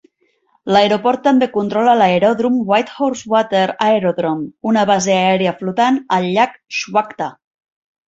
L'aeroport també controla l'aeròdrom Whitehorse Water Aerodrome, una base aèria flotant al llac Schwatka.